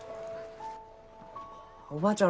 おばあちゃん